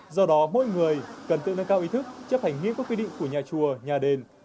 do đó mỗi người cần tự nâng cao ý thức chấp hành nghiêm các quy định của nhà chùa nhà đền